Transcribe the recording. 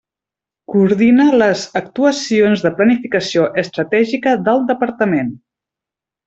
Coordina les actuacions de planificació estratègica del Departament.